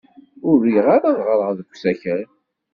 Ur riɣ ara ad ɣreɣ deg usakal.